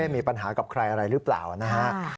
มีปัญหากับใครอะไรหรือเปล่านะฮะ